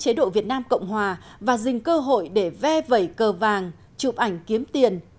chế độ việt nam cộng hòa và dành cơ hội để ve vẩy cờ vàng chụp ảnh kiếm tiền